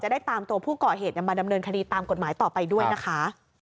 ได้ตามตัวผู้ก่อเหตุมาดำเนินคดีตามกฎหมายต่อไปด้วยนะคะ